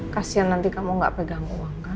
kasian nanti kamu gak pegang uang kan